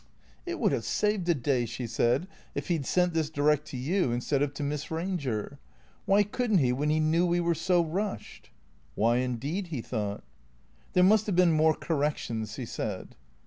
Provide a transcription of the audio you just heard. " T t t. It would have saved a day," she said, " if he 'd sent this direct to you instead of to Miss Eanger. Why could n't he when he knew we were so rushed ?"" Why, indeed ?" he thought. " There must have been more corrections," he said.